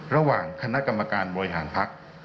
ระหว่างคณะกรรมการบริหารภักดิ์